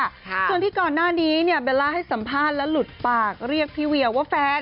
ส่วนที่ก่อนหน้านี้เนี่ยเบลล่าให้สัมภาษณ์และหลุดปากเรียกพี่เวียว่าแฟน